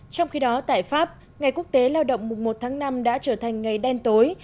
trong khi đó tại pháp ngày quốc tế lao động mùng một tháng năm đã trở thành ngày đen tối